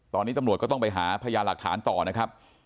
ตอนนี้ตำรวจก็ต้องไปหาพยานหลักฐานต่อนะครับ